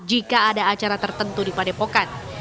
jika ada acara tertentu di padepokan